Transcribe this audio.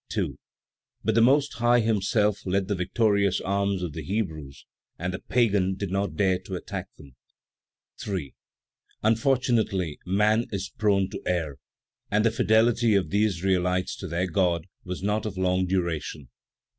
2. But the Most High himself led the victorious arms of the Hebrews, and the Pagans did not dare to attack them. 3. Unfortunately, man is prone to err, and the fidelity of the Israelites to their God was not of long duration.